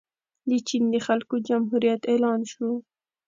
د چین د خلکو جمهوریت اعلان شو.